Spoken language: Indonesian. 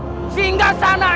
ampun gusti prabu